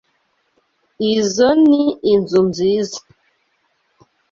Izoi ni inzu nziza.